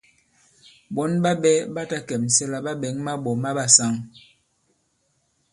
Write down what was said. Ɓɔ̌n ɓa ɓɛ̄ ɓa ta kɛ̀msɛ la ɓa ɓɛ̌ŋ maɓɔ̀ ma ɓàsaŋ.